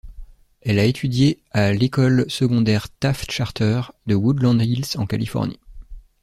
Elle a étudié à l'école secondaire Taft Charter de Woodland Hills en Californie.